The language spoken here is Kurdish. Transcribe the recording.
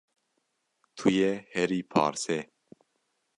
Tu yê herî parsê